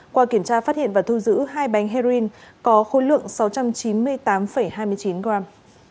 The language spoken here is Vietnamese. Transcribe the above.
qua kiểm tra phát hiện và thu giữ hai bánh heroin có khối lượng sáu trăm chín mươi tám hai mươi chín gram